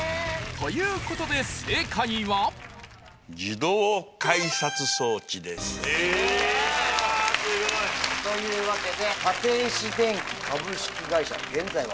ということですごい！というわけで。